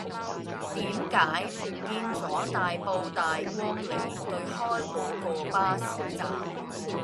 點解唔見左大埔大光里對開嗰個巴士站